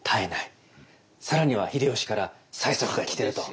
更には秀吉から催促が来てると。